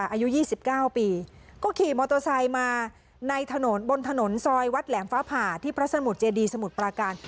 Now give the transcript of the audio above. อายุ๒๙ปีก็ขี่มอเตอร์ไซค์มาในถนนบนถนนซอยวัดแหลมฟ้าผ่าที่พระสมุทรเจดีสมุทรปราการ